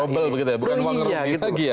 cobel begitu ya bukan uang ganti rugi lagi ya